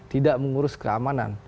tidak mengurus keamanan